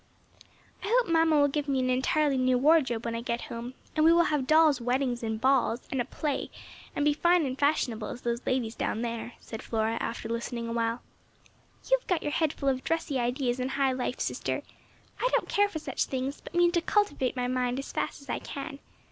"I hope Mamma will give me an entirely new wardrobe when I get home; and we will have dolls' weddings and balls, and a play, and be as fine and fashionable as those ladies down there," said Flora, after listening a while. "You have got your head full of dressy ideas and high life, sister. I don't care for such things, but mean to cultivate my mind as fast as I can.